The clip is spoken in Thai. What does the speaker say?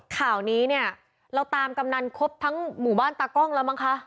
ข่าวนี้เนี่ยเราตามกำนันครบทั้งหมู่บ้านตากล้องแล้วมั้งคะ